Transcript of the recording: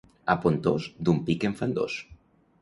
A Pontós d'un pic en fan dos.